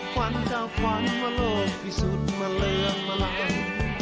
ควันเจ้าควันมาโลกที่สุดมาเรืองมาลัง